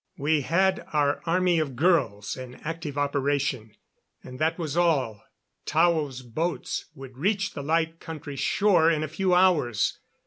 We had our army of girls in active operation, and that was all. Tao's boats would reach the Light Country shore in a few hours.